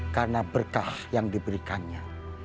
karena berkah yang diberikannya